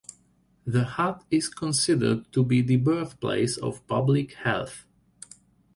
The hut is considered to be "the birth-place of public health".